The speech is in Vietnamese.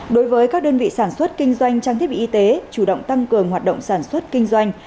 đối với các đơn vị sản xuất kinh doanh trang thiết bị y tế chủ động tăng cường hoạt động sản xuất kinh doanh